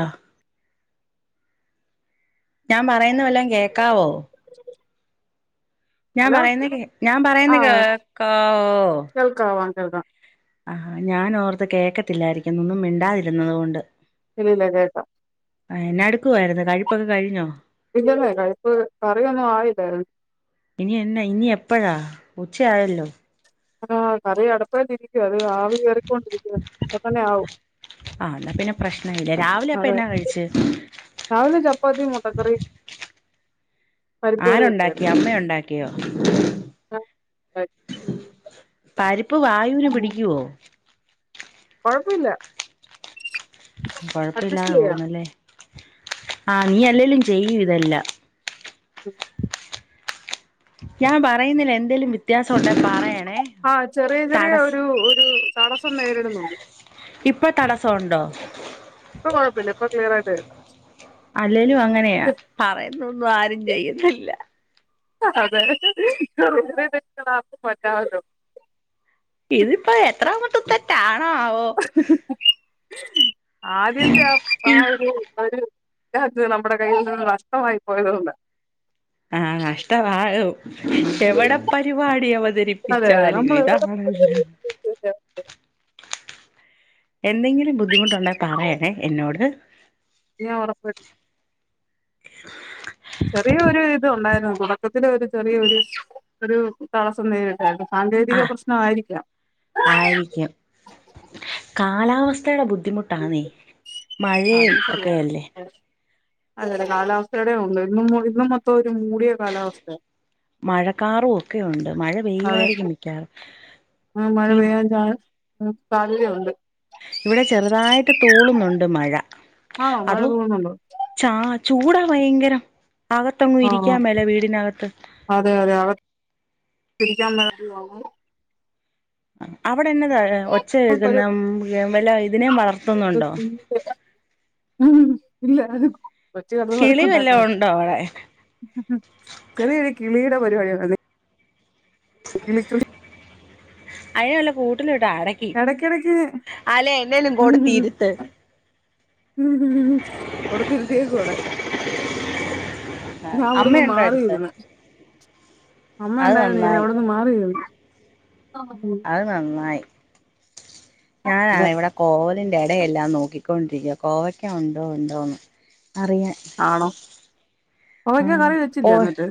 അ ഞാൻ പറയുന്ന വല്ലാം കേക്കാവോ ഞാൻ ഹലോ പറയുന്നത് കേ ഞാൻ പറയുന്നത് കേക്കവോ ഓ കേൾക്കാം അഹാ ഞാൻ ഓർത്ത് കേൾക്കത്തില്ലായിരിക്കും ഒന്നും മിണ്ടാതിരുന്നതോണ്ട്. ഇലില്ല കേക്കാം എന്നാ എടുക്കാര്ന്നു കഴിപ്പൊക്കെ കഴിഞ്ഞോ ഇല്ലന്നേ കഴിപ്പ് കറിയൊന്നു ആയില്ലാ ഇനിഎന്നാ ഇനി എപ്പഴാ ഉച്ചായല്ലോ ആഹ് കറി അടപ്പേലിരിക്ക അത് ആവി കേറി ആഹ് എന്നാ പിന്നെ പ്രശ്നില്ല രാവിലെ അപ്പ അതെ എന്നാ കഴിച്ച് രാവിലെ ചപ്പാത്തീം മൊട്ട കറീം ഒക്കെ ആരൊണ്ടാക്കി ആയിരുന്നു അമ്മയുണ്ടാക്കിയോ പരിപ്പ് വായൂന് പിടിക്കുവോ കൊഴപ്പില്ലാ അഡ്ജസ്റ്റ് കൊഴപ്പില്ലാതെ ചെയ്യാം പോവുന്നല്ലേ ആഹ് നീ അല്ലേലും ചെയ്യൂ ഇതെല്ലാം ഉം ഞാൻ പറയുന്നേല് എന്തേലും വി വ്യത്യാസൊണ്ടെ പറെ ആ ചെറിയ ചെറിയ ഒരു ഒരു തടസ്സം നേരിടുന്നുണ്ട് ഇപ്പം തടസ്സൊണ്ടോ ഇപ്പം കൊഴപ്പില്ല ഇപ്പം ക്ലിയറായിട്ട് കേക്കാം അല്ലേലും അങ്ങനെയാ പറയുന്നൊന്നും ആരും ചെയ്യുന്നില്ല. [unintelligible] ഇതിപ്പോ എത്രാമത്തെ തെറ്റാണോ ആവോ ആദ്യത്തെ ഈ [unintelligible] അത് നമ്മുടെ കയ്യിൽ നഷ്ടമായി പോയതു കൊണ്ട് ആഹ് നഷ്ടവായോ എവിടെ പരിപാടി അതെ അതെ അവതരിപ്പിച്ചാലും നമ്മള് ഇതാണല്ലോ എന്തെങ്കിലും ബുദ്ധിമുട്ടുണ്ടോ പറയാനേ എന്നോട് ഞാൻ ഉറപ്പ ചെറിയൊരു ഇത് ഉണ്ടായിരുന്നു തുടക്കത്തിലെ ഒരു ചെറിയൊരു ഒരു തടസ്സം നേരിട്ടായിരുന്നു സാങ്കേതിക പ്രശ്നം ആയിരിക്കാം ആയിരിക്കാം കാലാവസ്ഥയുടെ ബുദ്ധിമുട്ട് അതും ശരിയാ ഒക്കെയല്ലേ ആഹ് അതെ അതെ കാലാവസ്ഥേടെ ഉണ്ട് ഇന്നും ഇന്നും മൊത്തം ഒരു മൂടിയ കാലാവസ്ഥയ മഴക്കാറും ഒക്കെയുണ്ട് മഴ അതെ പെയ്യുവായിരിക്കും മിക്കാറും ഈ [unintelligible] ഉം സാധ്യതയുണ്ട് ഇവിടെ ചെറുതായിട്ട് തൂളുന്നുണ്ട് മഴ. ആണോ മഴ തൂളുന്നുണ്ടോ ച ചൂടാ ഭയങ്കരം അകത്തെങ്ങും ആഹ് ഇരിക്കാ മേല വീടിനകത്ത്. അതെ അതെ [inaudible] അവിടെന്നെതാ ഒരു ഒച്ചകേക്കുന്നേ വല്ല ഇതിനേം വളർ [inaudible] കൊച്ച് കെടന്ന് കിളി വല്ല വഴക്കുണ്ടാക്കുന്ന ഉണ്ടോ അവിടെ ചെറിയൊരു കിളിയുടെ പരിപാടിയാ കിളി അയ്നെ വല്ല കൂട്ടിലുട്ട് അടക്കി ഇടക്കിടക്ക് അല്ലേ എന്നേലും കൊടുത്ത് ഇരുത്ത്. ഉം കൊടത്തിരിത്തിയേക്കുവാ അവിടെ ഞാൻ അവിടുന്ന് അമ്മയുണ്ടോ അടുത്ത് മാറിയിരുന്ന് അമ്മ അത് ഉണ്ടായിരുന്നു ഞാൻ നന്നായി അവിടെന്ന് മാറിയിരുന്ന് അത് നന്നായി അതെ ഞാനാണെ ഇവിടെ കോവലിന്റെ ഇടയെല്ലാം നോക്കിക്കൊണ്ടിരിക്ക കോവയ്ക്ക ഉണ്ടോ ഉണ്ടോന്ന് അറിയാൻ. ആണോ ആ കോവയ്ക്കാ കറി ഓ വെച്ചില്ലേ എന്നിട്ട്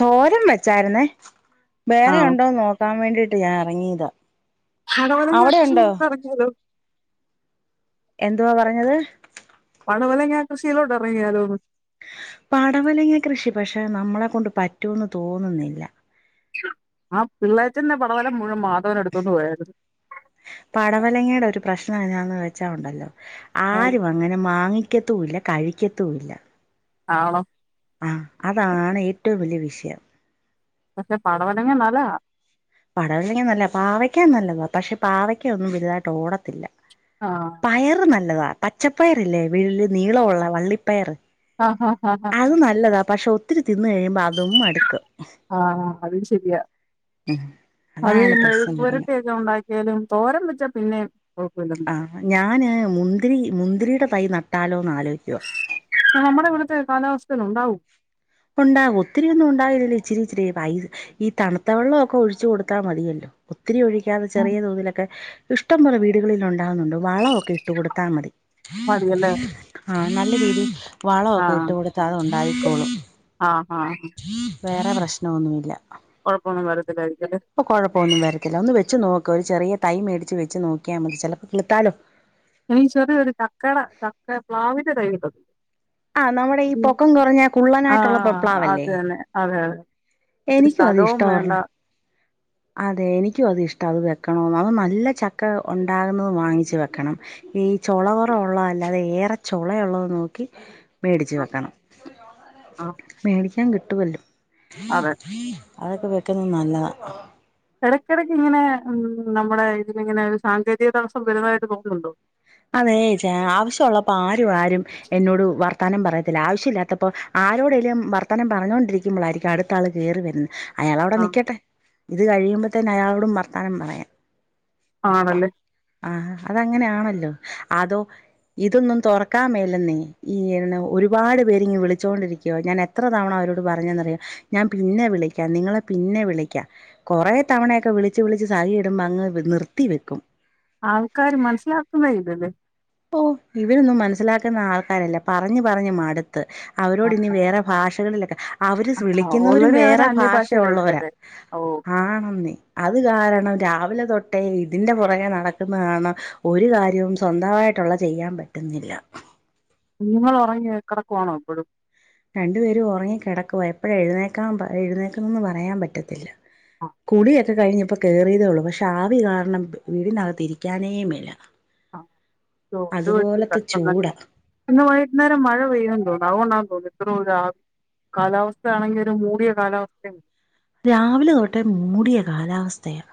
തോരം വെച്ചായിരുന്നേ വേറെ ആണോ ഉണ്ടോന്ന് നോക്കാൻ വേണ്ടീട്ട് ഞാൻ ഇറങ്ങീതാ [unintelligible] എന്തുവാ പറഞ്ഞത് പടവലങ്ങാ കൃഷിയിലോട്ട് ഇറങ്ങിയാലോന്ന് പടവലങ്ങ കൃഷി പക്ഷെ നമ്മളെ കൊണ്ട് പറ്റോന്ന് തോന്നുന്നില്ല ആഹ് പിള്ളേച്ചന്റെ പടവലം മുഴുവൻ മാധവനെടുത്തോണ്ട് പോയാരുന്നു പടവലങ്ങയുടെ ഒരു പ്രശ്നം എന്നാന്ന് വെച്ചാലുണ്ടല്ലോ ആര് വ അങ്ങനെ മാങ്ങിക്കത്തുല്ല കഴിക്കത്തുല്ല. ആണോ ആഹ് അതാണ് ഏറ്റവും വലിയ വിഷയം. പക്ഷെ പടവലങ്ങ നല്ലതാ പടവലങ്ങ നല്ലതാ പാവയ്ക്ക നല്ലതാ പക്ഷെ പാവയ്ക്ക ഒന്നും വലുതായിട്ട് ഓടത്തില്ല. ആഹ് പയറ് നല്ലതാ പച്ചപ്പയറില്ലേ വള്ളി നീളമുള്ള വള്ളിപ്പയറ് ആഹ് ആഹ് ആഹ് ആഹ് അത് നല്ലതാ പക്ഷെ ഒത്തിരി തിന്ന് കഴിയുമ്പോ അതും മടുക്കും. ആഹ് ആഹ് അതും ശരിയാ ഉം അത് അതാണ് പിന്നെ പ്രശ്നം വരുന്നെ മെഴുക്കുരട്ടിയൊക്കെ ഉണ്ടാക്കിയാലും തോരം വെച്ചാ പിന്നേം കൊഴപ്പല്ല ആഹ് ഞാന് മുന്തിരി മുന്തിരിയുടെ തൈ നട്ടാലോന്ന് ആലോയിക്കുവാ നമ്മുടെ ഇവിടുത്തെ കാലാവസ്ഥയിലുണ്ടാവോ പ്പൊ ഉണ്ടാവും ഒത്തിരിയൊന്നും ഉണ്ടാവില്ല ഇച്ചിരി ഇച്ചിരി ഈ തണുത്ത വെള്ള ഒക്കെ ഒഴിച്ചു കൊടുത്താൽ മതിയല്ലോ. ഒത്തിരി ഒഴിക്കാതെ ചെറിയ തോതിലൊക്കെ ഇഷ്ടം പോലെ വീടുകളിൽ ഉണ്ടാകുന്നുണ്ട് വളമൊക്കെ ഇട്ട് കൊടുത്താൽ മതി. മതിയല്ലേ ആഹ് നല്ല രീതിയിൽ വളമൊക്കെ ഇട്ട് കൊടുത്ത അത് ഉണ്ടായിക്കോളും. ആഹ് ആഹ് വേറെ പ്രശ്നമൊന്നുല്ല. കൊഴപ്പൊന്നും വരത്തില്ലായിരിക്കല്ലേ അപ്പോ കൊഴപ്പൊന്നും വരത്തില്ല ഒന്ന് വെച്ച് നോക്ക് ഒരു ചെറിയ തൈ മേടിച്ച് വെച്ച് നോക്കിയാൽ മതി ചെലപ്പൾ കിളിത്താലോ ഈ ചെറിയൊരു ചക്കടെ ചക്ക പ്ലാവിന്റെ തൈ കിട്ടും. ആ നമ്മുടെ ഈ ഉം പൊക്കം കുറഞ്ഞ കുള്ളനായിട്ടുള്ള ആഹ് പ്ലാവല്ലേ അതന്നെ അതെ അതെ ഒത്തിരി എനിക്കും അത് സ്ഥലവും വേണ്ട ഇഷ്ടമായിരുന്നു അതെ എനിക്കും അതിഷ്ട അത് വെക്കണന്ന് അത് നല്ല ചക്ക ഉണ്ടാകുന്നത് വാങ്ങിച്ച് വെക്കണം. ഈ ചൊള കൊറവൊള്ള അല്ലാതെ ഏറെ ചൊളയുള്ളത് നോക്കി മേടിച്ചു വെക്കണം മേടിക്കാൻ കിട്ടുമല്ലോ അതെ അതൊക്കെ വെക്കുന്നത് നല്ലതാ ഇിടയ്ക്കിടയ്ക്ക് ഇങ്ങനെ ഉം നമ്മുടെ ഇതില ഇങ്ങനെ ഒരു സാങ്കേതിക തടസ്സം വരുന്നതായിട്ട് പോകുന്നുണ്ടോ അതേ ചാ ആവശ്യമുള്ളപ്പോ ആരും ആരും എന്നോട് വർത്തനം പറയത്തില്ല ആവശ്യമില്ലാത്തപ്പോൾ ആരോടെങ്കലും വർത്തനം പറഞ്ഞുകോണ്ടിരിക്കുമ്പോളായിരിക്കും അടു മത്ത ആൾ ക കേറി വരുന്നത് അയാളവിടെ ആ നിൽക്കട്ടെ ഇത് കഴിയുമ്പത്തന്നെ അയാളോടും വർത്തനം പറയാം ആണല്ലേ ആഹ് അതങ്ങനെയാണല്ലോ അതോ ഇതൊന്നും തുറക്കാ മേലെന്നേ ഈ ഒരുപാട് പേര് ഇങ് വിളിച്ചോണ്ടിരിക്കുകുവോ ഞാൻ എത്ര തവണ അവരോട് പറഞ്ഞതെന്നറിയാം ഞാൻ പിന്നെ വിളിക്കാം നിങ്ങളെ പിന്നെ വിളിക്കാം കുറെ തവണയൊക്കെ വിളിച്ച് വിളിച്ച് സഹി കെടുമ്പോ അങ്ങ് നിർത്തി വെക്കും ആൾക്കാര് മനസ്സലാക്കക്കുന്നേ ഇല്ലല്ലേ ഓ ഇവരൊന്നും മനസ്സിലാക്കുന്ന ആൾക്കാരല്ല പറഞ്ഞഞ് പറഞ്ഞ് മാടു അവരോട് ഇനി വേറെ ഭാഷകളിലൊക്കെ അവര് ആഹ് വിളിക്കുന്നവരും ഓൾറെഡി അവര് വേറെ ഭാഷയ ഉള്ളവരാ അന്യഭാഷയിലായിപ്പോല്ലേ ഓ ആണെന്നീ അത് കാരണം രാവിലെ തൊട്ടേ ഇതിറെ പുറകെ നടക്കുന്നതാണ് ഒരു കാര്യവും സ്വന്തമായിട്ടുള്ള ചെയ്യാൻ പറ്റുന്നില്ല കുഞ്ഞുങ്ങൾ ഉറങ്ങി കിടക്കുവാണോ എപ്പോഴും രണ്ടു പേരും ഉറങ്ങി കിടക്കവാ എപ്പോഴ എഴുന്നേക്കാൻ എഴുന്നേക്കുന്നൊന്നും പറയാൻ പറ്റത്തില്ല ആ കുള്ളിയൊക്കെ കഴിഞ്ഞപ്പോ കേയറിയതേ ഉള്ളൂ പക്ഷെ ആവി കാരണം വീടിനകത്ത്രിക്കാനേമില്ല ആ, ഓ അത് വലിയ അതുപോലത്തെ കഷ്ടം ചൂട തന്നെ ഇന്ന് വൈകുന്നേരം മഴ പെയ്യും തോന്ന് ന്ന് അതുകൊണ്ടതോന്നും ഇത്ര ദൂര ആം കാലാവസ്ഥയാണെങ്കിൽ ഒരു മൂടിയ കാലാവസ്ഥയും രാവിലെ തൊട്ടെ മൂടിയ കാലാവസ്ഥയാ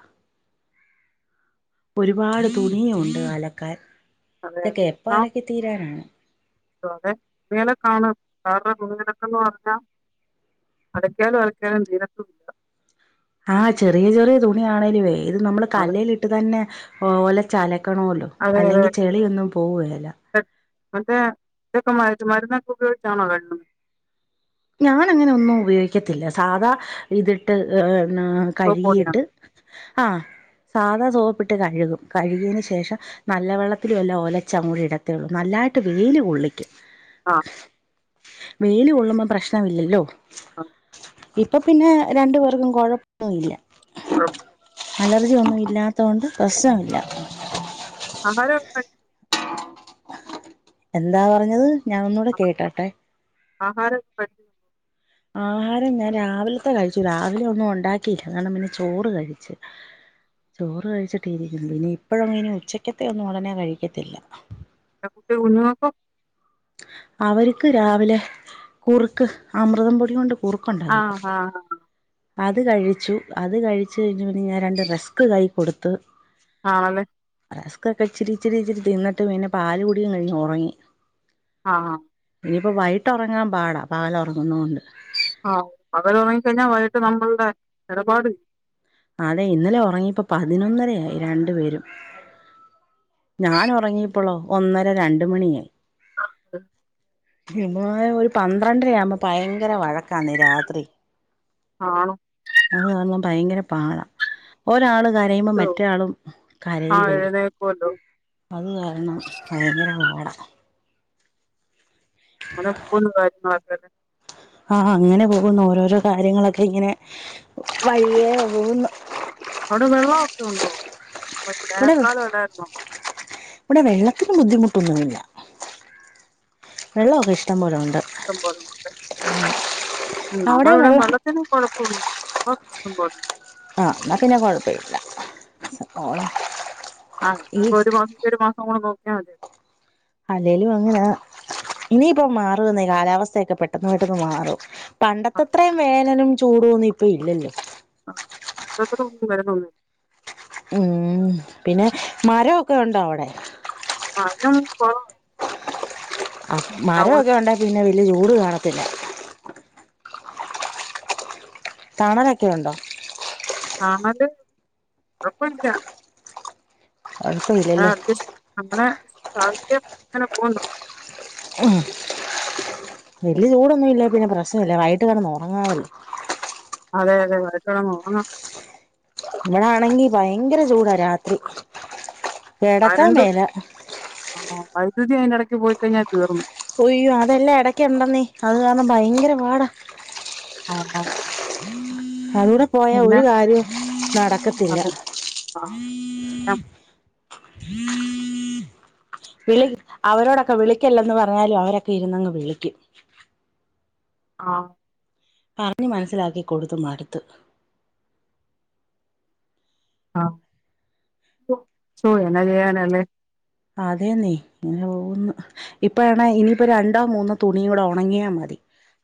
ഒരുപാട് തുണിയുണ്ട് അലക്കാൻ അതെ അതെ ഇതൊക്കെ എപ്പ ആഹ് അലക്കി തീരാനാണ് അതെ മനക്കാണ് കാരണംനക്കന്ന് പറഞ്ഞാൽ അലക്കിയാലും അലക്കിയാലും തിരത്തും ഇല്ല ആഹ് ചെറിയ ചെറിയ തുണിയ ആണേലുവേ ഇത് നമ്മള് അതെ കല്ലൽിട്ട് തന്നെ ഒല അലക്കണല്ലോ അതെ അതെ അല്ലെങ്കിൽ ചെളിയൊന്നും പോവുകല്ല മറ്റേ ഇതൊക്കെ മട്ട് മരുന്നൊക്കെ ഉപയോഗിച്ചാണോ കണുന്നത് ഞാൻ അങ്ങനെ ഒന്നും ഉപയോഗിക്കത്തില്ല സാധാ ഇതിട്ട് ഏഹ് കഴുകിയിട്ട് പോളിയാണോ ആഹ് സാധാ സോപ്പിട്ട് കഴുകും കഴുകിയന് ശേഷം നല്ല വെള്ളത്തില വല്ല ഓലച്ച കൂടി ഇടത്തേള്ളു നല്ലായിട്ട് വെയില് കൊള്ളിക്കും ആഹ് വെയിൽ കൊള്ളുമ്പോ പ്രശ്നമില്ലല്ലോ ആഹ് ഇപ്പൊ പിന്നെ രണ്ടു പേർക്കും കുഴപ്പല്ല [inaudible] അലർജി ഒന്നും ഇല്ലാത്ത കൊണ്ട് പ്രശ്നമില്ല [unintelligible] എന്താ പറഞ്ഞത് ഞാൻ ഒന്നൂടെ കേട്ടോട്ടെ ആഹാര കഴി ആഹാരം ഞാൻ രാവിലത്തെ കഴിച്ചു രാവിലെ ഒന്നും ഉണ്ടാക്കിയില്ല കാരണം പിന്നെ ചോറ് കഴിച്ചു ചോറ് കഴിച്ചിട്ടി ഇരിക്കുന്നു ഇനി ഇപ്പോഴും ഇനി ഉച്ചക്കത്തെ ഒന്നും ഉടനെ കഴിക്കത്തില്ല കുട്ടേ ഉണോക്കോ അവർക്ക് രാവിലെ കുറുക്ക് അമൃതം പൊടി കൊണ്ട് ആ കുറുക്കുണ്ടാക്കിക്കൊടുത്തു ആ അത് കഴിച്ചു അത് കഴിച്ചു കഴിഞ്ഞ് ഞാൻ രണ്ട് റെസ്ക് കൈ കൊടുത്ത് [unintelligible] റസ്ക് ഒക്കെ ഇച്ചിരിച്ചിരി ഇച്ചിരി തിന്നിട്ട് പിന്നെ പാല് കുടിയും കഴിഞ്ഞ് ഉറങ്ങി. ആഹ് ആഹ് ഇനിയിപ്പോ വൈകിട്ട് ഉറങ്ങാൻ പാടാ പകല് ഉറങ്ങുന്നൊണ്ട്. ആഹ് പകല് ഉറങ്ങിക്കഴിഞ്ഞാൽ വൈകിട്ട് നമ്മളുടെ ഇടപാട്. ആതെ ഇന്നലെ ഉറങ്ങിപ്പോ പതിനൊന്നരയായി രണ്ടു പേരും ഞാൻ ഉറങ്ങിയപ്പോളോ ഒന്നര രണ്ട് മണിയായി. [inaudible] ഇവിടെ ഒരു പന്ത്രണ്ടര ആവുമ്പോൾ ഭയങ്കര വഴക്കാണ് രാത്രി. ആഹ് അങ്ങനെ ആവുമ്പോൾ ഭയങ്കര പാടാ ഒരാള് കരയുമ്പോ മറ്റേ ആളും ആ കരയുമല്ലോ എഴുന്നേൽക്കുമല്ലോ അത് കാരണം ഭയങ്കര പാടാ ഇവിടെ എപ്പോഴും വയറ്റിന്നു പുകച്ചിലാ ആഹ് അങ്ങനെ പോകുന്നു ഓരോരോ കാര്യങ്ങളൊക്കെ ഇങ്ങനെ വഴിയേ പോകുന്നു അവിടെ വെള്ളമൊക്കെ ഉണ്ടോ ഇവിടെ വേനൽക്കാലം ഉണ്ടായിരുന്നോ. ഇവിടെ വെള്ളത്തിന് ബുദ്ധിമുട്ടൊന്നുമില്ല വെള്ളമൊക്കെ ഇഷ്ടം പോലെ ഉണ്ട്. ഇഷ്ടം പോലെ ഉണ്ട് അവിടെ നമ്മളെ ഇവിടെ വെള്ളം വെള്ളത്തിന് കുഴപ്പൊ ഉം വെള്ളം ഉണ്ട് ഇഷ്ടം പോലെ. ആഹ് എന്നാൽ പിന്നെ കുഴപ്പമില്ല ഓഹ് ആഹ് ഇപ്പൊ ഒരു മാസം ഒരു മാസം കൂടെ നോക്കിയാൽ മതിയലോ അല്ലേലും അങ്ങനെയാ ഇനിയിപ്പോ മാറുന്നേ കാലാവസ്ഥയൊക്കെ പെട്ടെന്ന് പെട്ടെന്ന് മാറും അത് പണ്ടത്തത്രയും വേനലും ചൂടും ഒന്നും ഇപ്പൊ ഇല്ലല്ലോ [unintelligible] ഉം പിന്നെ മരമൊക്കെ ഉണ്ടോ അവിടെ ആഹ് മരങ്ങളിപ്പോ ആഹ് ടൗൺ മരമൊക്കെ ഉണ്ടേൽ പിന്നെ വലിയ ചൂട് കാണത്തില്ല തണലൊക്കെ ഉണ്ടോ തണല് [unintelligible] ഇല്ല. അത് ശരി അഡ്ജസ്റ്റ് ചെയ്തു നമ്മുടെ സാഹചര്യം അങ്ങനെ പോകുന്നു ഉം വല്യ ചൂടൊന്നുമില്ലേ പിന്നെ പ്രശ്നമില്ല വൈകിട്ട് കിടന്നങ്ങുറങ്ങാല്ലോ അതെ അതെ വൈകിട്ട് കിടന്നുറങ്ങാം ഇവിടെയാണെങ്കിൽ ഭയങ്കര ചൂടാ രാത്രി കിടക്കാ കരണ്ട് മേല. ആ വൈദ്യുതി അതിനിടയ്ക്ക് പോയികഴിഞ്ഞാൽ തീർന്ന് ഹോയ്യോ അതെല്ലാം ഇടക്കൊണ്ടെന്നേ അതുകാരണം ഭയങ്കരപാടാ ആ ആ അതൂടെപോയാ ഒരു കാര്യവും നടക്കത്തില്ല. അത് [inaudible] ആ, ചെയ്യാൻ പറ്റും. വിളി അവരോടൊക്കെ വിളിക്കല്ലെന്ന് പറഞ്ഞാലും അവരൊക്കെ ഇരുന്നങ്ങ് വിളിക്കും ആ പറഞ്ഞുമനസ്സിലാക്കി കൊടുത്തുമടുത്തു. ആ ശോ എന്നാ ചെയ്യാനാല്ലെ അതേന്നെ ഇങ്ങനെപോകുന്നു ഇപ്പയാണേ ഇനിയിപ്പോ രണ്ടോ മൂന്നോ തുണിയുംകൊടെ ഒണങ്ങിയാമതി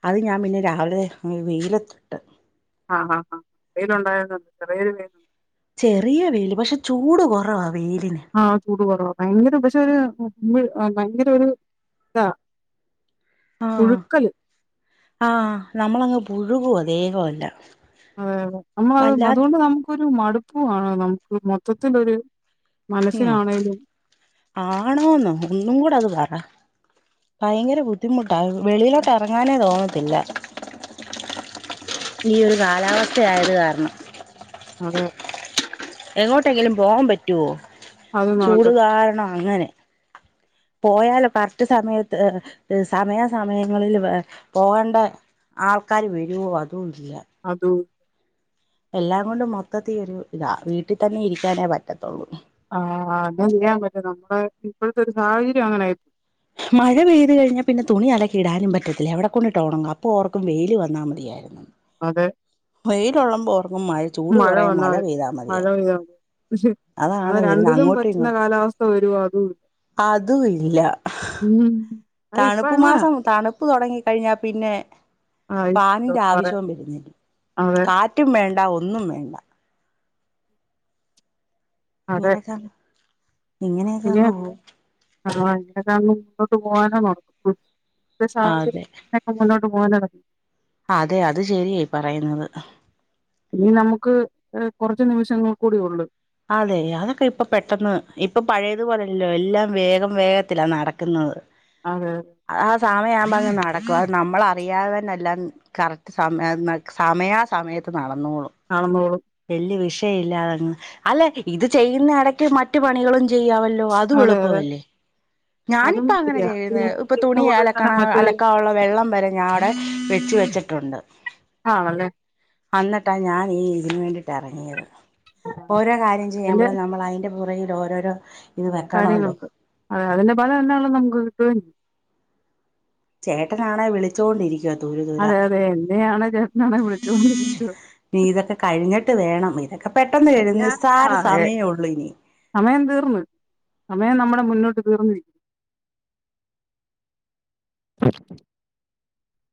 അത് ഞാൻ പിന്നെ രാവിലെ വെയിലത്തിട്ട് ആ ഹ ഹാ വെയിലൊണ്ടായിരുന്നോണ്ട് ചെറിയൊരു ചെറിയവെയില് പക്ഷെ ചൂട് കൊറവാവെയിലിന് ആ ചൂട്കൊറവാ ഭയങ്കരം പക്ഷെ ഒരു ഭയങ്കര ഒരു ഇതാ ആ പുഴുക്കല്. ആ നമ്മളങ്ങ് പുഴുകുവാ ദേഹവെല്ലാം അതെ അതെ നമ്മളത് അതോണ്ട് നമുക്കൊരു മടുപ്പുവാണ് നമുക്കുമൊത്തത്തിലൊരു മനസ്സിനാണേലും. ആണോന്നോ ഒന്നും കൂടെയങ്ങ്പറ. ഭയങ്കര ബുദ്ധിമുട്ടാ വെളിയിലോട്ട് എറങ്ങാനേ തോന്നത്തില്ല. ഈയൊരു കാലാവസ്ഥയായതുകാരണം. അതെ. എങ്ങോട്ടെങ്കിലും പോവാൻ പറ്റോ അത് നടക്കത് ചൂടുകാരണം അങ്ങനെ. പോയാലോ കററ്റ് സമയത്ത് സമയാ സമയങ്ങളിൽ വെ പോകണ്ടെ ആൾക്കാര് വരോ അതുല്ലാ അതു എല്ലാംകൊണ്ടും മൊത്തത്തീ ഒരു ഇതാ വീട്ടിതന്നെ ഇരിക്കാനേ പറ്റത്തൊള്ളൂ. ആ അതെചെയ്യാൻ പറ്റും നമ്മുടെ ഇപ്പോഴത്തൊരു സാഹചര്യം അങ്ങനെയായി. മഴപെയ്തു കഴിഞ്ഞാപിന്നെ തുണിഅലക്കിടാനും പറ്റത്തില്ല എവിടെ കൊണ്ടിട്ടോണങ്ങും അപ്പോ ഓർക്കും വെയിലുവന്നാ മതി തിയായിരുന്നു അതെ. വെയിലൊള്ളമ്പ ഓർക്കും മഴ ചൂട് കൊറയാൻ വന്നാ മഴ മതി. പെയ്താ മഴ മതിയേ പെയ്താ മതി. പക്ഷെ എന്നാരണ്ടിലും പറ്റുന്ന കാലാവസ്ഥവരോ അതുവി അതുവില്ല. ഉം അത് ഇപ്പ അങ്ങനാ. തണുപ്പുമാസം തണുപ്പുതൊടങ്ങി കഴിഞ്ഞാപിന്നെ ആഹ് ഫാന്റെ പറയാൻ ആവശ്യവും വരുന്നില്ലാ അതെ കാറ്റുംവേണ്ട ഒന്നുംവേണ്ട. അതെ ഇങ്ങനെക്കൈ ഇങ്ങനെയൊക്കെയങ്ങ് പോവും. ആ അൻ്റെതാങ്ങും മുന്നോട്ട് പോവാനോ നോക്കും ഇത്തെ സാഹചര്യ അതെ നെ. മുന്നോട്ട് പോവാന അതെ അത് ശെരിയെ ഇപറയുന്നത്. ഇനി നമുക്ക് അ് കൊറച്ച് നിമിഷങ്ങൾകൂടി ഒള്ള്. അതെ അതൊക്കെയിപ്പൊ പെട്ടെന്ന് ഇപ്പൊ പഴയതുപോലല്ലോ എല്ലാം വേഗം വേഗത്തിലാ നടക്കുന്നത്. അതെ ആ സമയാവുമ്പോ അങ്ങുനടക്കും അത് നമ്മളറിയാതെ തന്നെല്ലാം കറക്റ്റ് സമയെന്ന് സമയാ സമയത്ത് നടന്നോളും. നടന്നോളും. വല്ല്യ വിഷയില്ലാതങ്ങ് അല്ല ഇത് ചെയ്യുന്നെടക്ക് മറ്റു പണികളും ചെയ്യാവല് ല്ലോ അതും അതെ അതെ എളുപ്പവല്ലേ അതും ഞാനിപ്പങ്ങനെ ശരിയാ ഈ ചെയ്യുന്നെ ഇപ്പൊ ചെയ്യുന്ന കൂട്ടത്തിൽ തന്നെ തുണിയലക്കണ മറ്റു കാര്യം അലക്കാനുള്ള വെള്ളംവരെ ഞാഅവ്ടെ വെച്ച് വെച്ചിട്ടുണ്ട്. ആണല്ലേ? അന്നിട്ടാ ഞാനീ ഇതിന് വേണ്ടീട്ടറങ്ങിയത് ഓരോ കാര്യം അതിന്റെ ചെയ്യുമ്പളും നമ്മൾ അയിന്റെ പുറകിലോരോരോ കാര്യങ്ങളുണ്ട് അതെ അതിന്റെ പല എന്താലും നമുക്ക് കിട്ടുകേം ചെയ്യും. ചേട്ടനാണെ വിളിച്ചോണ്ടിരി അതെ അതെ എന്നെയാണ് ചേട്ടനാണെ വിളിച്ചോണ്ടിരിക്കുവാ. നീതൊക്കെ കഴിഞ്ഞിട്ട് വേണം ഇതൊക്കെ പെട്ടെന്ന് കഴിയും കഴിയാൻ ആ നിസ്സാര ഏ സമയൊള്ളു ഇനി. സമയം തീർന്ന് സമയം നമ്മുടെ മുന്നോട്ട് തീർന്നിരിക്കു [inaudible]